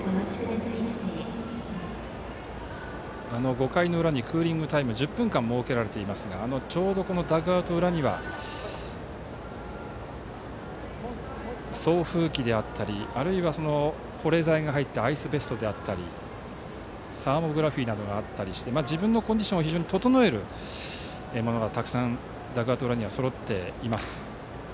５回の裏にクーリングタイム１０分間、設けられていますがちょうどダグアウト裏には送風機であったりあるいは保冷剤が入ったアイスベストであったりサーモグラフィーなどがあったりして自分のコンディションを整えるものがたくさんダグアウト裏にはそろっています。